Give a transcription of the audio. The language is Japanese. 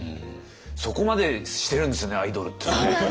そこまでしてるんですねアイドルってね。